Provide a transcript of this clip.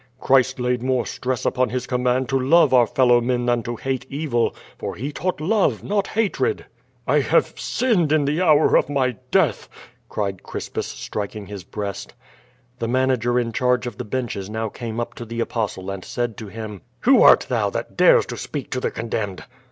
"Christ laid more stress upon His cciiiiuand to love our fellow men than to hate evil, for He taught love, not hatred/' "1 have sinned in the hour of my death!" cried Crispus, striking his breast. The manager in charge of the benches now came up to the Apostle, and said to him: "Who art thou that dares to speak to the condemned?"